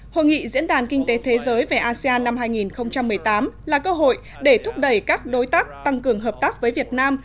hội nghị diễn đàn kinh tế thế giới về asean năm hai nghìn một mươi tám là cơ hội để thúc đẩy các đối tác tăng cường hợp tác với việt nam